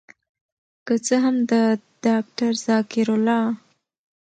که څه هم د داکتر ذکر الله